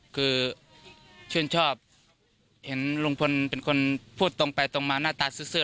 คือชื่นชอบเห็นลุงพลเป็นคนพูดตรงไปตรงมาหน้าตาซื้อ